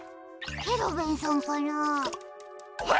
ケロベンさんかなあ？